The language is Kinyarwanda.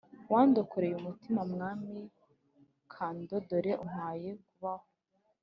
Wandokoreye umutima mwami kando Dore umpaye kubaho